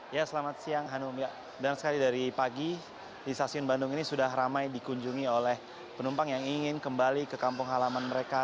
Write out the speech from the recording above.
ya selamat siang hanum ya dan sekali dari pagi di stasiun bandung ini sudah ramai dikunjungi oleh penumpang yang ingin kembali ke kampung halaman mereka